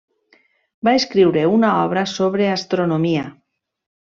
Va escriure una obra sobre astronomia.